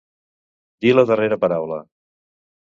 Dir la darrera paraula.